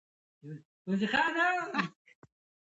مراد خپل مراد ته ونه رسېد.